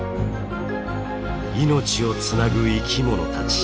「命をつなぐ生きものたち」